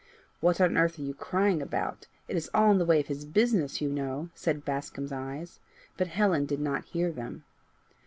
"What on earth are you crying about? It is all in the way of his business, you know," said Bascombe's eyes, but Helen did not hear them.